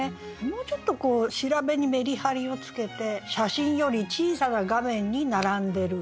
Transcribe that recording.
もうちょっとこう調べにメリハリをつけて「写真より小さな画面に並んでる」。